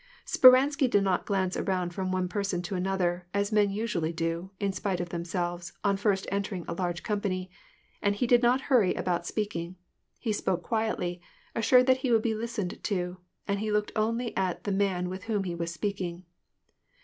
Speransky did not glance around from one person to another, as men usually do, in spite of themselves, on first entering a large company ; and he did not hurry about speaking. He spoke quietly, assured that he would be listened to, and he looked only at the man with whom he was speaking.